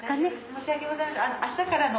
申し訳ございません。